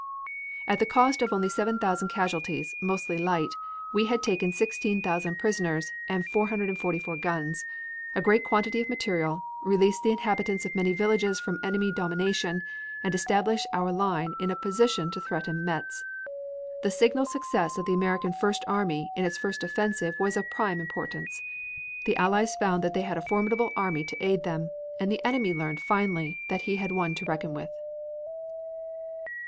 At the cost of only 7,000 casualties, mostly light, we had taken 16,000 prisoners and 443 guns, a great quantity of material, released the inhabitants of many villages from enemy domination, and established our lines in a position to threaten Metz. This signal success of the American First Army in its first offensive was of prime importance. The Allies found they had a formidable army to aid them, and the enemy learned finally that he had one to reckon with.